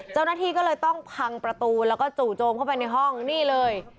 เจ้าหน้าที่ก็เลยต้องพังประตูแล้วก็จู่โจมเข้าไปในห้องนี่เลย